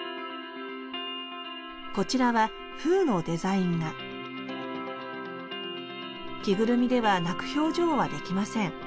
こちらは着ぐるみでは泣く表情はできません。